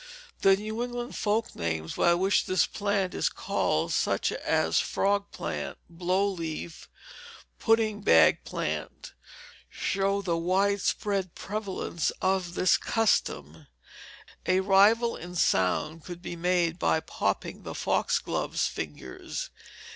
The New England folk names by which this plant is called, such as frog plant, blow leaf, pudding bag plant, show the wide spread prevalence of this custom. A rival in sound could be made by popping the foxglove's fingers.